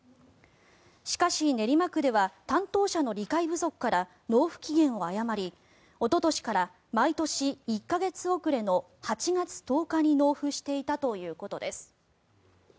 しかし、練馬区では担当者の理解不足から納付期限を誤りおととしから毎年１か月遅れの８月１０日に納付していたということです。